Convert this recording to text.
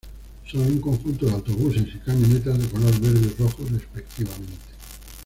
Son un conjunto de autobuses y camionetas de color verde y rojo respectivamente.